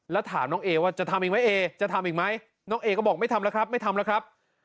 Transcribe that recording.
แล้วถามน้องเอว่าจะทำอีกไหมเอจะทำอีกไหมน้องเอก็บอกไม่ทำแล้วครับไม่ทำแล้วครับ